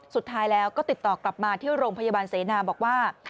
สุดท้ายแล้วก็ติดต่อกลับมาที่โรงพยาบาลเสนาบอกว่า